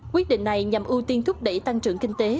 quyết định này nhằm ưu tiên thúc đẩy tăng trưởng kinh tế